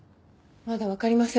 まだわかりません。